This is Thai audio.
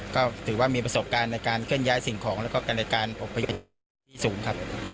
ก็ถือว่ามีประสบการณ์ในการเคลื่อนย้ายสิ่งของแล้วก็กันในการอบพยพที่สูงครับ